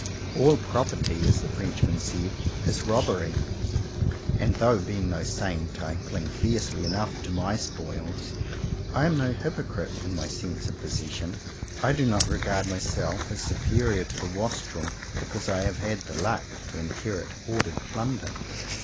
*'A11 proper ty," as the Frenchman said, "is robbery;" and though, being no saint, I cling fiercely enough to my spoils, I am no hypocrite in my sense of possession. I do not regard myself as superior to the wastrel because I have had the luck to inherit hoarded plunder.